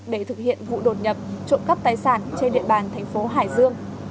để thực hiện vụ đột nhập trộm cắp tài sản trên địa bàn thành phố hải dương